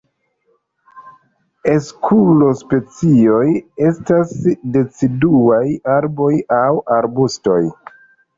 La Eskulo-specioj estas deciduaj arboj aŭ arbustoj.